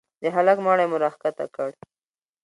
د هلك مړى مو راکښته کړ.